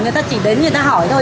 người ta chỉ đến người ta hỏi thôi